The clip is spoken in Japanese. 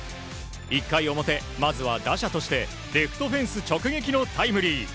１回表、まずは打者としてレフトフェンス直撃のタイムリー。